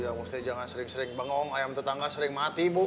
ya maksudnya jangan sering sering ayam tetangga sering mati bu